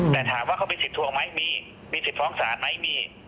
แต่ถามว่าเขาเป็นสิทธิทวงไหมมีมีสิทธิฟ้องศาลไหมมี